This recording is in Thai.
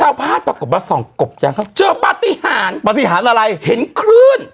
ปรากฏว่าส่องกบจังครับเจอปฏิหารปฏิหารอะไรเห็นคลื่น